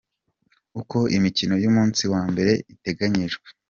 Uko imikino y’umunsi wa mbere iteganyijwe.